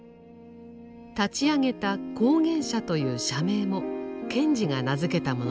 立ち上げた「光原社」という社名も賢治が名付けたものです。